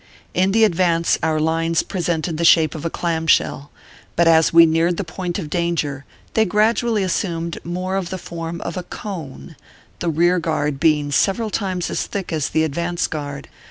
In the advance our lines presented the shape of a clam shell, but as we neared the point of danger, they gradually assumed more of the form of a cone, the rear guard being several times as thick as the advance guard.